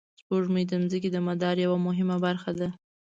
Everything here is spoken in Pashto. سپوږمۍ د ځمکې د مدار یوه مهمه برخه ده